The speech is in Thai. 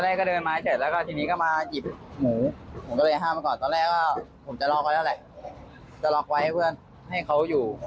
แรกก็เดินไม้เสร็จแล้วก็ทีนี้ก็มาหยิบหมูผมก็เลยห้ามมาก่อนตอนแรกว่าผมจะล็อกไว้แล้วแหละจะล็อกไว้ให้เพื่อนให้เขาอยู่